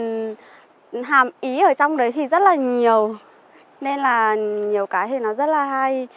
nói chung là hàm ý ở trong đấy thì rất là nhiều nên là nhiều cái thì nó rất là hay